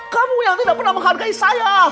kamu yang tidak pernah menghargai saya